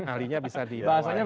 ahlinya bisa di